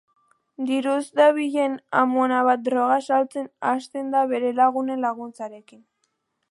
Diruz dabilen amona bat droga saltzen hasten da bere lagunen laguntzarekin.